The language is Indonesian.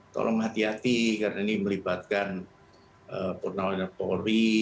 tolong hati hati karena ini melibatkan purnawira polri